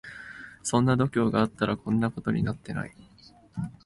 そんな度胸があったらこんなことになってない